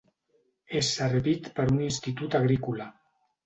És servit per un institut agrícola.